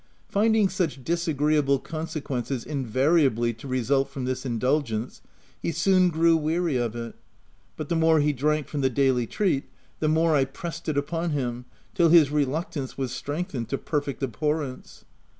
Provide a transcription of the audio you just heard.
Finding such disagreeable consequences invariably to result from this indulgence, he soon grew weary of it, but the more he shrank from the daily treat the more I pressed it upon him, till his reluctance was strengthened to perfect abhor rence.